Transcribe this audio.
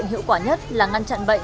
bệnh hiệu quả nhất là ngăn chặn bệnh